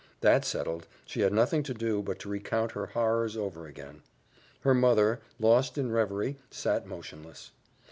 That settled, she had nothing to do but to recount her horrors over again. Her mother, lost in reverie, sat motionless.